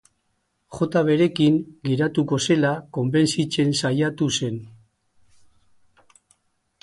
Jota berekin geratuko zela konbentzitzen saiatu zen.